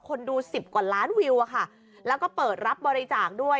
คนดูสิบกว่าล้านวิวอะค่ะแล้วก็เปิดรับบริจาคด้วย